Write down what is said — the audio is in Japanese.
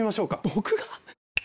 僕が？